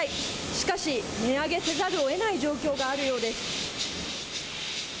しかし値上げせざるをえない状況があるようです。